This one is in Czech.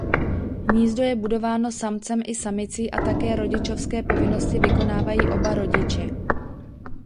Hnízdo je budováno samcem i samicí a také rodičovské povinnosti vykonávají oba rodiče.